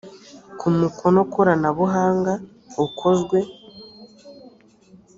k umukono koranabuhanga ukozwe